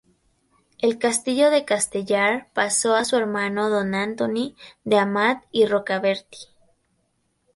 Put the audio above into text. El castillo de Castellar pasó a su hermano don Antoni de Amat y Rocabertí.